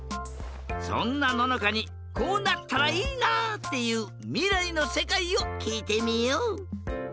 そんなののかにこうなったらいいなっていうみらいのせかいをきいてみよう！